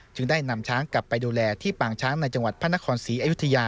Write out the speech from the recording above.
จึงได้นำช้างกลับไปดูแลที่ปางช้างในจังหวัดพระนครศรีอยุธยา